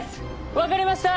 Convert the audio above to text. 分かりました！